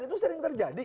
itu sering terjadi